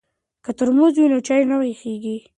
که ترموز وي نو چای نه یخیږي.